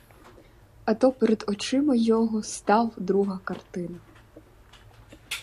А то перед очима його став друга картина.